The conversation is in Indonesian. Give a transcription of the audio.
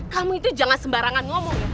kamu itu jangan sembarangan ngomong